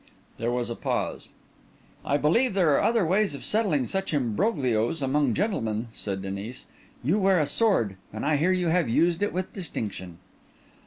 There was a pause. "I believe there are other ways of settling such imbroglios among gentlemen," said Denis. "You wear a sword, and I hear you have used it with distinction."